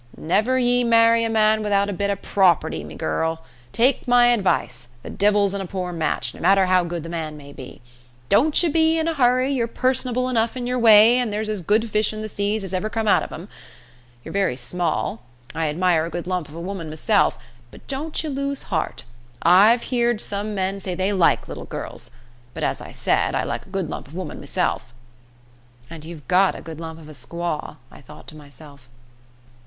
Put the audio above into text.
"Never ye marry a man widout a bit er prawperty, me gu r r r l. Take my advice the divil's in a poor match, no matter how good the man may be. Don't ye be in a hurry; ye're personable enough in yer way, and there's as good fish in the seas as ever come out of 'em. Yer very small; I admire a good lump of a woman meself but don't ye lose heart. I've heerd some men say they like little girls, but, as I said, I like a good lump of a woman meself." "And you've got a good lump of a squaw," I thought to myself.